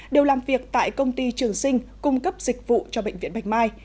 đều làm việc tại công ty trường sinh cung cấp dịch vụ cho bệnh viện bạch mai